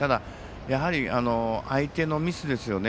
やはり相手のミスですよね。